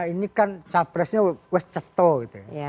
ini kan capresnya west chateau